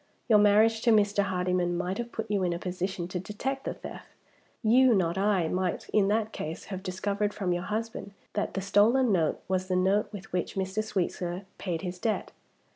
Your marriage to Mr. Hardyman might have put you in a position to detect the theft. You, not I, might, in that case, have discovered from your husband that the stolen note was the note with which Mr. Sweetsir paid his debt.